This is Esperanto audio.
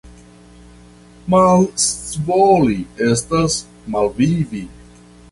Malscivoli estas malvivi.